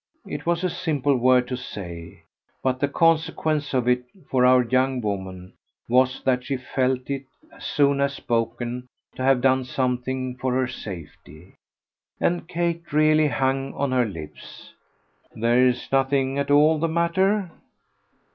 It was a simple word to say, but the consequence of it, for our young woman, was that she felt it, as soon as spoken, to have done something for her safety. And Kate really hung on her lips. "There's nothing at all the matter?"